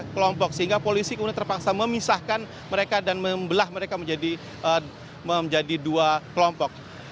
kelompok sehingga polisi kemudian terpaksa memisahkan mereka dan membelah mereka menjadi dua kelompok